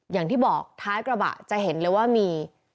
อย่างที่บอกท้ายกระบะจะเห็นเลยว่ามี